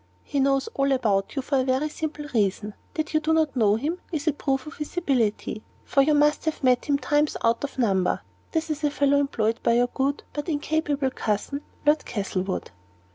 "He knows all about you, for a very simple reason. That you do not know him, is a proof of his ability. For you must have met him times out of number. This is the fellow employed by your good but incapable cousin, Lord Castlewood."